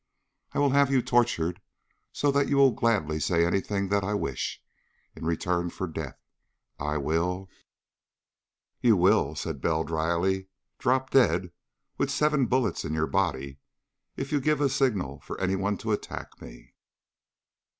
I will have you tortured so that you will gladly say anything that I wish, in return for death. I will " "You will," said Bell dryly, "drop dead with seven bullets in your body if you give a signal for anyone to attack me."